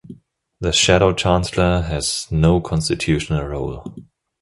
The Shadow Chancellor has no constitutional role.